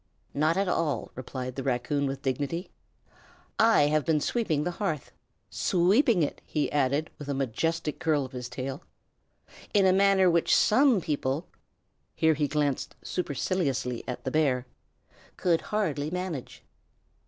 "Not at all," replied the raccoon with dignity, "I have been sweeping the hearth; sweeping it," he added, with a majestic curl of his tail, "in a manner which some people [here he glanced superciliously at the bear] could hardly manage."